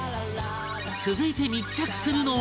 続いて密着するのは